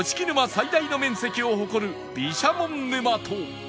最大の面積を誇る毘沙門沼と